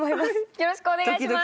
よろしくお願いします。